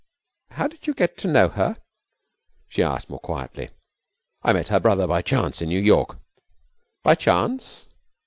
'How did you get to know her?' she asked, more quietly. 'I met her brother by chance in New York.' 'By chance!'